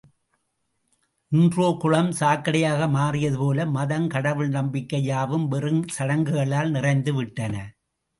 இன்றோ, குளம் சாக்கடையாக மாறியதுபோல மதம், கடவுள் நம்பிக்கை யாவும் வெறும் சடங்குகளால் நிறைந்து விட்டன.